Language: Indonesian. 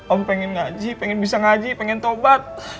om pengen ngaji pengen bisa ngaji pengen tobat